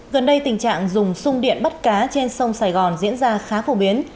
gần đây tình trạng dùng sung điện bắt cá trên sông sài gòn diễn ra khá phổ biến